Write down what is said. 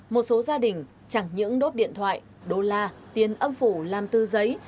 một số gia đình chẳng những đốt điện thoại đô la tiền âm phủ làm tư giấy